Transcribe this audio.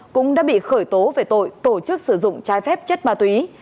cũng đã bị khởi tố về tội tổ chức sử dụng trái phép chất ma túy